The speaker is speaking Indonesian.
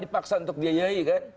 dipaksa untuk diayai kan